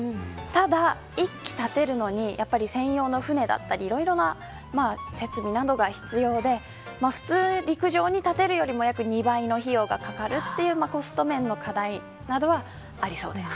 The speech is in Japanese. ただ１基立てるのに専用の船だったり、いろいろな設備などが必要で普通、陸上に立てるよりも約２倍の費用がかかるというコスト面の課題などはありそうです。